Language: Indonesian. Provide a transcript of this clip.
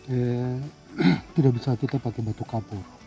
ya tidak bisa kita pakai batu kampur